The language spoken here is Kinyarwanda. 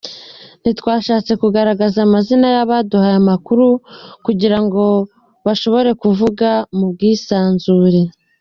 Ntitwashatse kugaragaza amazina y’abaduhaye amakuru kugira ngo bashobore kuvuga mu bwisanzure.